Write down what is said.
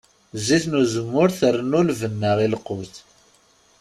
Zzit n uzemmur trennu lbenna i lqut.